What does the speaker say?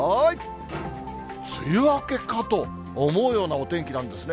梅雨明けかと思うようなお天気なんですね。